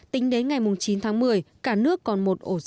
tính đến ngày chín tháng một mươi cả nước còn một ổ dịch